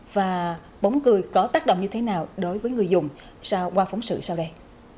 và bóng cười có tác động như thế nào đối với người dùng sau qua phóng sự sau đây